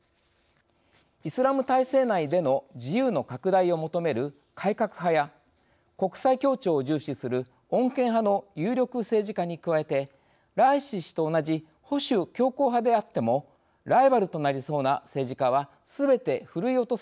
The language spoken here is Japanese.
イスラム体制内での自由の拡大を求める改革派や国際協調を重視する穏健派の有力政治家に加えてライシ師と同じ保守強硬派であってもライバルとなりそうな政治家はすべてふるい落とされました。